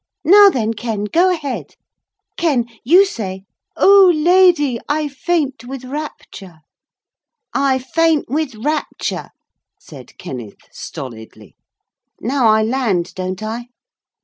'Now then, Ken, go ahead. Ken, you say, "Oh Lady, I faint with rapture!"' 'I faint with rapture,' said Kenneth stolidly. 'Now I land, don't I?'